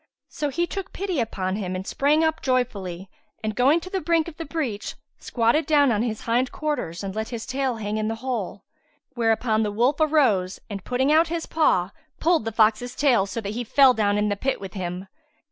So he took pity upon him and sprang up joyfully and, going to the brink of the breach, squatted down on his hind quarters and let his tail hang in the hole; whereupon the wolf arose and putting out his paw, pulled the fox's tail, so that he fell down in the pit with him.